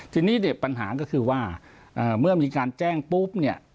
ทีนี้เด็กปัญหาก็คือว่าเมื่อมีการแจ้งปุ๊บเนี่ย